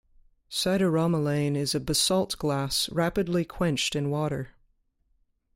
Sideromelane is a basalt glass rapidly quenched in water.